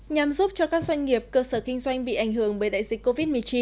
nhằm giúp cho các doanh nghiệp cơ sở kinh doanh bị ảnh hưởng bởi đại dịch covid một mươi chín